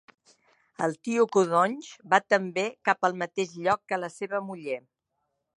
El tio Codonys va també cap al mateix lloc que la seua muller.